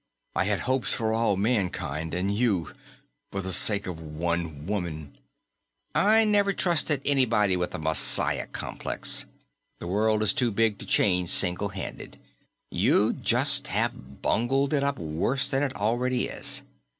I had hopes for all humankind. And you, for the sake of one woman " "I never trusted anybody with a messiah complex. The world is too big to change single handed; you'd just have bungled it up worse than it already is.